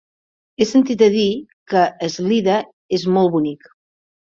He sentit a dir que Eslida és molt bonic.